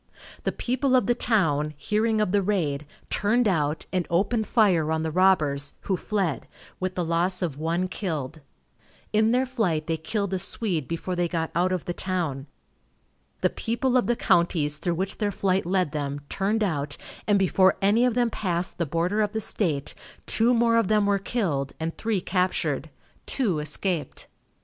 The people of the town, hearing of the raid, turned out, and opened fire on the robbers, who fled, with the loss of one killed. In their flight they killed a Swede before they got out of the town. The people of the counties through which their flight led them, turned out, and before any of them passed the border of the state, two more of them were killed and three captured. Two escaped.